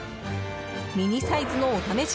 ミニサイズのお試し